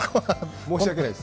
申し訳ないです。